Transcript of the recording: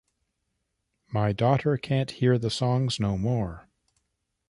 My daughter can’t hear the songs no more.